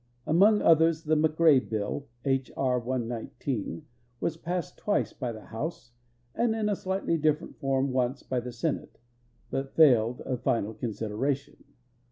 Among others, the McRae bill (H. R. 119) was passed twice b}"" the House, and in a slightly different form once by the Senate, but failed of final consideration.